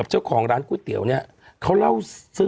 เออฝั่งตั้ง๒๐ปีแล้วหรือ